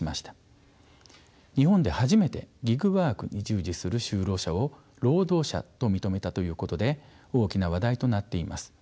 日本で初めてギグワークに従事する就労者を労働者と認めたということで大きな話題となっています。